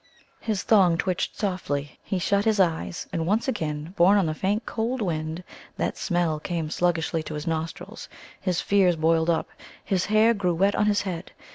His thong twitched softly. He shut his eyes. And once again, borne on the faint cold wind, that smell came sluggishly to his nostrils. His fears boiled up. His hair grew wet on his head.